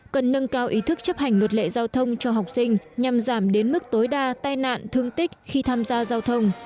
cần nâng cao ý thức chấp hành luật lệ giao thông cho học sinh nhằm giảm đến mức tối đa tai nạn thương tích khi tham gia giao thông